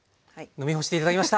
飲みほして頂きました。